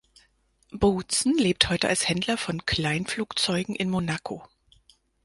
Boutsen lebt heute als Händler von Kleinflugzeugen in Monaco.